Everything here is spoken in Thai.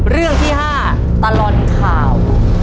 เรื่องที่๕ตลอดข่าว